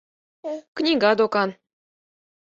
Книга докан.